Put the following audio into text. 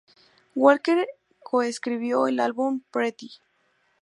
Walker coescribió el álbum "Pretty.